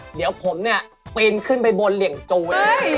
เดี๋ยวผมเนี่ยปริ้นขึ้นไปบนเหล่งจูเอง